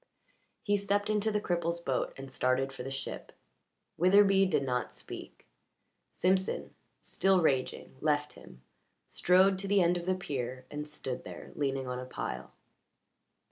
He stepped into the cripple's boat and started for the ship. Witherbee did not speak; Simpson, still raging, left him, strode to the end of the pier, and stood there, leaning on a pile.